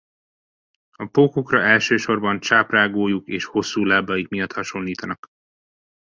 A pókokra elsősorban csáprágójuk és hosszú lábaik miatt hasonlítanak.